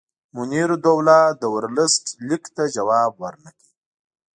منیرالدوله د ورلسټ لیک ته جواب ورنه کړ.